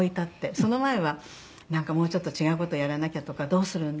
その前はなんかもうちょっと違う事やらなきゃとかどうするんだ？